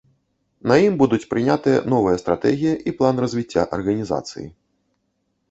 На ім будуць прынятыя новая стратэгія і план развіцця арганізацыі.